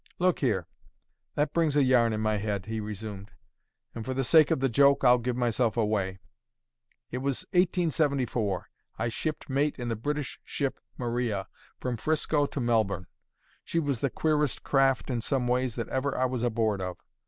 "Look here, that brings a yarn in my head," he resumed; "and for the sake of the joke, I'll give myself away. It was in 1874, I shipped mate in the British ship Maria, from 'Frisco for Melbourne. She was the queerest craft in some ways that ever I was aboard of.